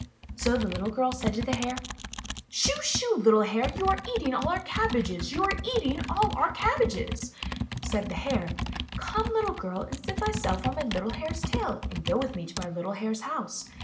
So the little girl said to the Hare: *'Shoo! Shoo! little Hare, you are eating all 241 MY BOOK HOUSE our cabbages. You are eating all our cabbages.*' Said the Hare: Come, little girl, and seat thyself on my little Hare's tail and go with me to my little Hare's house."